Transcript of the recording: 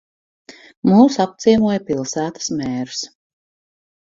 Mūs apciemoja pilsētas mērs